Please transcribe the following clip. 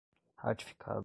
ratificado